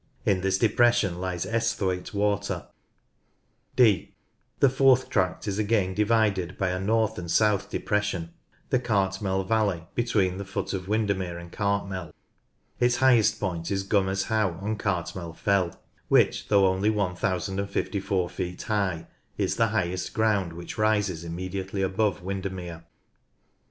In this depression lies Esthwaite Water, (r/) The fourth tract is again divided by a north and south depression, the Cartmel valley, between the foot of Windermere and Cartmel. Its highest point is Glimmers How on Cartmel Fell, which, though only 1054 feet high, is the highest ground which rises immediately above Windermere.